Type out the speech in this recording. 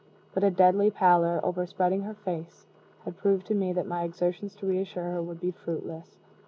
But a deadly pallor, overspreading her face, had proved to me that my exertions to reassure her would be fruitless.